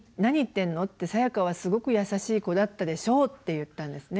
さやかはすごく優しい子だったでしょう」って言ったんですね。